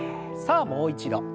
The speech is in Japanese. さあもう一度。